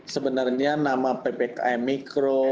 sebenarnya nama ppkm mikro